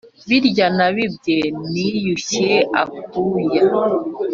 birya nabibye niyushye akuya.